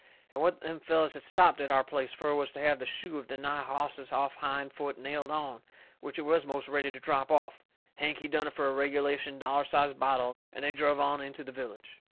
And what them fellers had stopped at our place fur was to have the shoe of the nigh hoss's off hind foot nailed on, which it was most ready to drop off. Hank, he done it fur a regulation, dollar size bottle and they druv on into the village.